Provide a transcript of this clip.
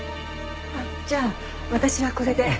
じゃあ私はこれで。